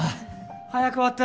早く終わった。